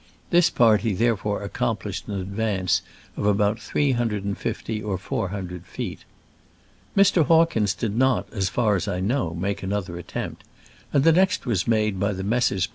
This party therefore accomplished an advance of about three hundred and fifty or four hundred feet. Mr. Hawkins did not, as far as I know, make another attempt ; and the next was made by the Messrs.